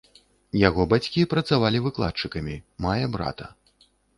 Яго бацькі працавалі выкладчыкамі, мае брата.